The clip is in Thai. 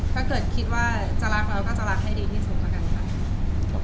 ถ้าเกิดคิดว่าจะรักเราก็จะรักให้ดีที่สุดแล้วกันค่ะ